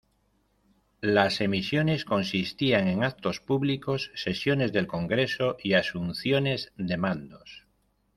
Las emisiones consistían en actos públicos, sesiones del congreso y asunciones de mandos.